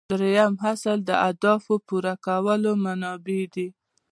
دریم اصل د اهدافو پوره کولو منابع دي.